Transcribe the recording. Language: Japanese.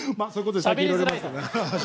しゃべりづらいだろ！